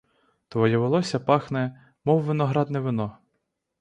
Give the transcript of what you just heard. Твоє волосся пахне, мов виноградне вино.